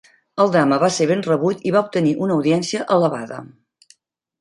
El drama va ser ben rebut i va obtenir una audiència elevada.